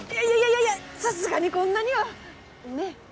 いやいやさすがにこんなには。ね？